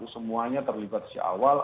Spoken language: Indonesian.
semuanya terlibat si awal